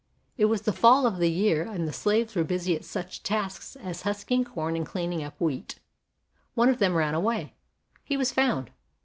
It was the fall of the year and the slaves were busy at such tasks as husking corn and cleaning up wheat. One of them ran away. He was found.